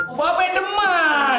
udah pak bener man